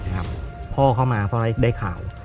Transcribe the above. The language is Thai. พ่อเข้ามาเข้าจากไหนได้ข่าว